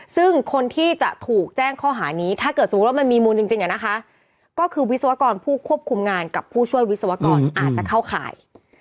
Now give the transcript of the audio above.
ซึ่งคนที่จะถูกแจ้งข้อหานี้ถ้าเกิดสมมุติว่ามันมีมูลจริงก็คือวิศวกรผู้ควบคุมงานกับผู้ช่วยวิศวกรอาจจะเข้าข่าย